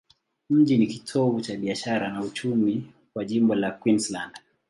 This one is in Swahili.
Mji ni kitovu cha biashara na uchumi kwa jimbo la Queensland.